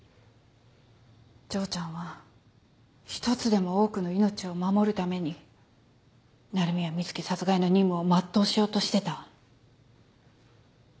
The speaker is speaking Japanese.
丈ちゃんは一つでも多くの命を守るために鳴宮美月殺害の任務を全うしようとしてた。